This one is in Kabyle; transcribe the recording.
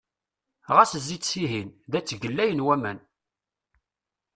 Ɣas zzi-d sihin! Da ttgellayen waman.